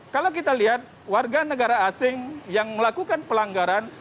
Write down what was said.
kalau kita lihat warga negara asing yang melakukan pelanggaran